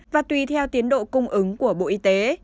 và tùy theo tiến độ cung ứng của bộ y tế